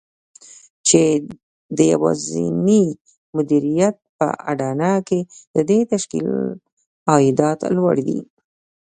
چې د يوازېني مديريت په اډانه کې د دې تشکيل عايدات لوړ دي.